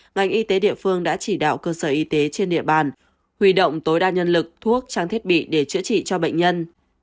ngành y tế địa phương đã chỉ đạo cơ sở y tế trên địa bàn huy động tối đa nhân lực thuốc trang thiết bị để chữa trị cho bệnh nhân